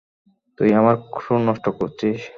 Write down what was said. তুই আমার সুর নষ্ট করছিস।